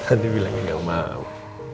tadi bilangnya enggak mau